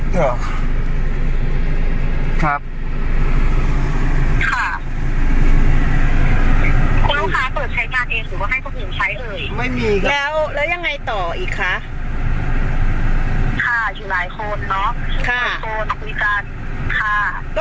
ยังไงต่ออีกค่ะค่ะอยู่หลายคนเนอะค่ะคุยกันค่ะ